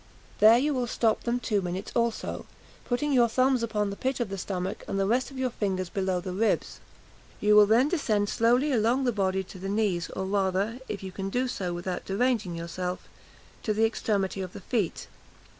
There you will stop them two minutes also, putting your thumbs upon the pit of the stomach and the rest of your fingers below the ribs. You will then descend slowly along the body to the knees, or rather, if you can do so without deranging yourself, to the extremity of the feet.